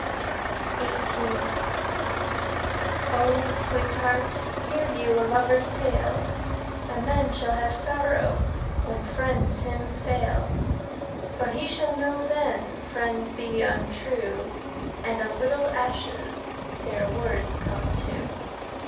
XVIII O Sweetheart, hear you Your lover's tale; A man shall have sorrow When friends him fail. For he shall know then Friends be untrue And a little ashes Their words come to.